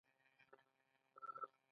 ایا موږ یو ملت یو؟